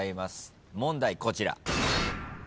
問題こちら。